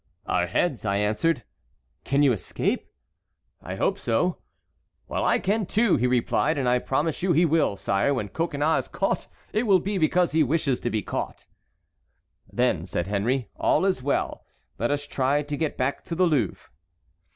"'Our heads,' I answered. "'Can you escape?' "'I hope so.' "'Well, I can too,' he replied. And I promise you he will! Sire, when Coconnas is caught it will be because he wishes to be caught." "Then," said Henry, "all is well. Let us try to get back to the Louvre."